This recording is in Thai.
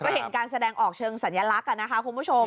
ก็เห็นการแสดงออกเชิงสัญลักษณ์นะคะคุณผู้ชม